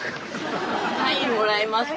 サインもらえますか？